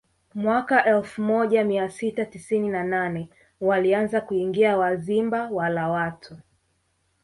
Mwaka elfu moja mia sita tisini na nane walianza kuingia Wazimba wala watu